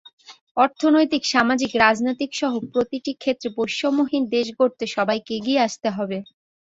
অর্থনৈতিক, সামাজিক, রাজনীতিসহ প্রতিটি ক্ষেত্রে বৈষম্যহীন দেশ গড়তে সবাইকে এগিয়ে আসতে হবে।